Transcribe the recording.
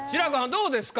どうですか？